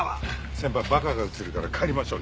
先輩馬鹿が移るから帰りましょう。